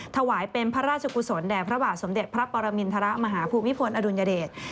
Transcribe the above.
ถวายเป็นพระราชกุศลแด่พระบาทสมเด็จพระปรมินทรมาฮภูมิพลอดุลยเดช